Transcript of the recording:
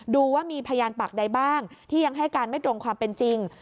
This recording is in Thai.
ดูว่ามีพยานปากใดบ้างที่ยังให้การไม่ตรงความเป็นจริง